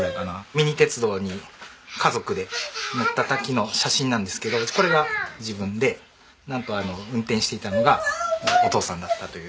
ミニ鉄道に家族で乗った時の写真なんですけどこれが自分でなんと運転していたのがお義父さんだったという。